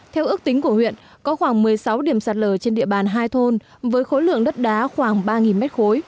theo ước tính của huyện có khoảng một mươi sáu điểm sạt lở trên địa bàn hai thôn với khối lượng đất đá khoảng ba m ba